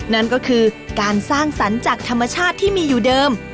นั่นก็คือการสร้างสรรค์จากธรรมชาติที่มีอยู่เดิม